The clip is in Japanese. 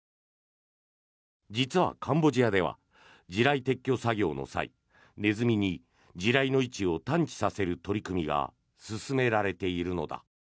実はカンボジアでは地雷撤去作業の際ネズミに地雷の位置を探知させる取り組みが進められているのだ。